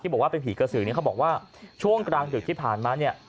บอกว่าเป็นผีกระสือเนี่ยเขาบอกว่าช่วงกลางดึกที่ผ่านมาเนี่ย